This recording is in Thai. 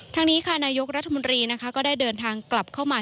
ทางนี้ค่ะนายกรัฐมนตรีนะคะก็ได้เดินทางกลับเข้ามา